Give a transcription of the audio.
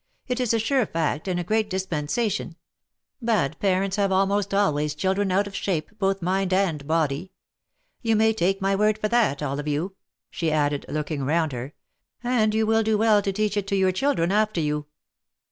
" It is a sure fact, and a great dispensation — bad parents have almost always children out of OF MICHAEL ARMSTRONG. 29 shape, both mind and body. You may take my word for that, all of you," she added, looking round her; " and you will do well to teach it to your children after you."